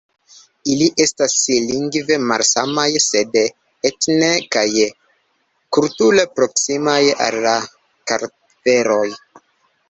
Ili estas lingve malsamaj sed etne kaj kulture proksimaj al la kartveloj.